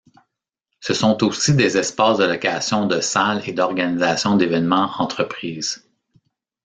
Ce sont aussi des espaces de locations de salles et d'organisation d'Evénement Entreprise.